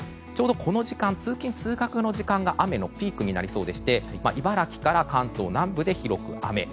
ちょうど、この時間通勤・通学の時間が雨のピークになりそうでして茨城から関東南部で広く雨。